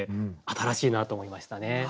新しいなと思いましたね。